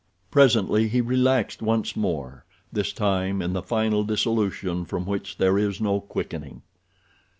Presently he relaxed once more—this time in the final dissolution from which there is no quickening.